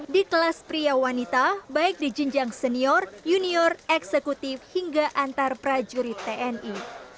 di kelas pria wanita baik di jenjang senior junior eksekutif hingga antar prajurit tni